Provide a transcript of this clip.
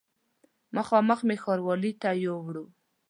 مخامخ مې ښاروالي ته یووړ.